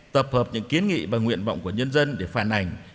tập hợp những kiến nghị và nguyện vọng của nhân dân để phản ảnh